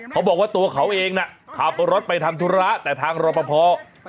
เขาบอกว่าตัวเขาเองน่ะขับรถไปทำธุระแต่ทางรอปภ